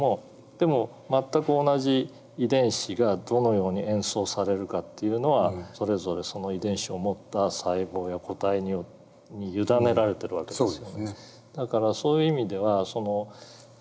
でも全く同じ遺伝子がどのように演奏されるかっていうのはそれぞれその遺伝子を持った細胞や個体に委ねられてる訳ですよ。